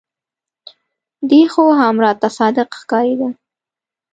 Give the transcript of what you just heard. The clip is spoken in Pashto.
دى خو هم راته صادق ښکارېده.